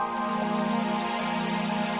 aku mau nganterin